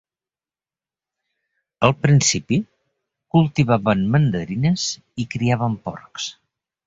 Al principi, cultivaven mandarines i criaven porcs.